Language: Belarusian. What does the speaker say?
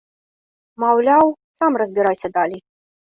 Маўляў, сам разбірайся далей.